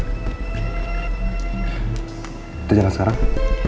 kita jalan sekarang